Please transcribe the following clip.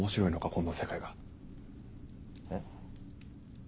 こんな世界が。え？